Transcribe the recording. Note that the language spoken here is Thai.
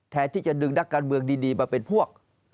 แทนที่จะดึงนักการเมืองดีมาเป็นพวก